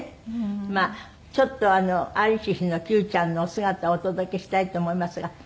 まあちょっとありし日の九ちゃんのお姿をお届けしたいと思いますが。